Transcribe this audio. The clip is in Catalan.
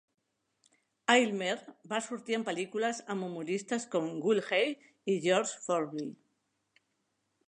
Aylmer va sortir en pel·lícules amb humoristes com Will Hay i George Formby.